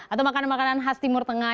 atau makanan makanan khas timur tengah